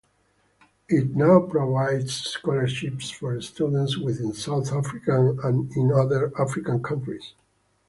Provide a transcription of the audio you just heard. It now provides scholarships for students within South Africa and in other African countries.